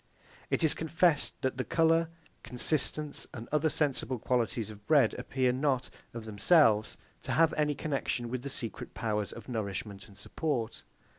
It is confessed that the colour, consistence, and other sensible qualities of bread appear not, of themselves, to have any connexion with the secret powers of nourishment and support.